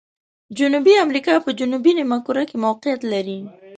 جنوبي امریکا په جنوبي نیمه کره کې موقعیت لري.